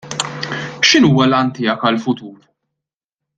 X'inhuwa l-għan tiegħek għall-futur?